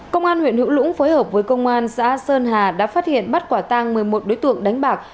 công an huyện hữu lũng phối hợp với công an xã sơn hà đã phát hiện bắt quả tang một mươi một đối tượng đánh bạc